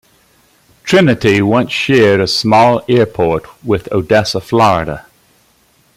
Trinity once shared a small airport with Odessa, Fl.